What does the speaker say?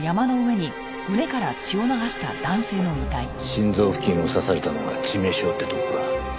心臓付近を刺されたのが致命傷ってとこか。